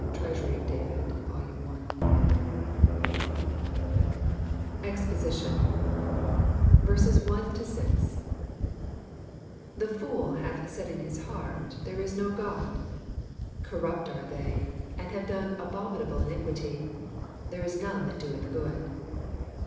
Treasury of David,*' Vol. I.] EXPOSmOK THE fool hath said in his heart, T/iere is no God. Corrupt are they, and have done abominable iniquity : tAere is none that doeth good.